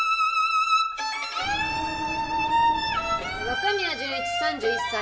若宮潤一３１歳。